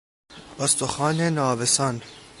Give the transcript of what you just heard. استخوان ناوسان